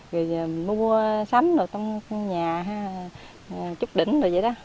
rồi giờ mình mua sắm rồi trong nhà chút đỉnh rồi vậy đó